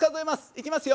いきますよ。